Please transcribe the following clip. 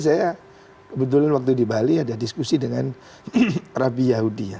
saya kebetulan waktu di bali ada diskusi dengan rabi yahudi ya